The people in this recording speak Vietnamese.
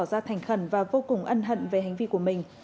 sang tỏa ra thành khẩn và vô cùng ân hận về hành vi của mình